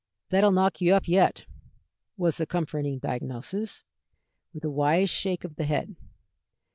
"That'll knock you up yet," was the comforting diagnosis, with a wise shake of the head.